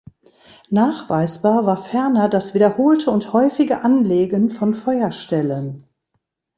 Nachweisbar war ferner das wiederholte und häufige Anlegen von Feuerstellen.